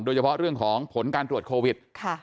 โดยเฉพาะเรื่องของผลการตรวจโควิด